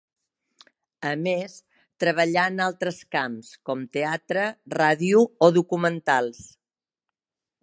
A més treballà en altres camps, com teatre, ràdio o documentals.